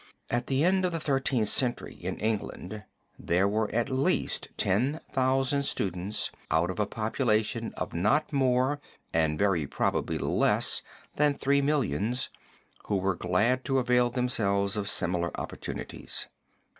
At the end of the Thirteenth Century in England there were at least ten thousand students out of a population of not more and very probably less than three millions, who were glad to avail themselves of similar opportunities.